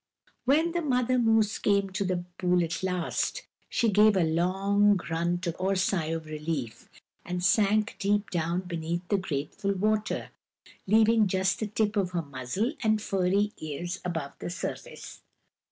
When the mother moose came to the pool at last, she gave a long grunt or sigh of relief and sank deep down beneath the grateful water, leaving just the tip of her muzzle and furry ears above the surface.